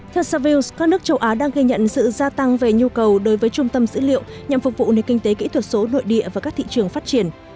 các thị trường trung tâm dữ liệu đang gây nhận sự gia tăng về nhu cầu đối với trung tâm dữ liệu nhằm phục vụ nền kinh tế kỹ thuật số nội địa và các thị trường phát triển